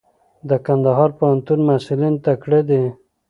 د کندهار پوهنتون محصلین تکړه دي.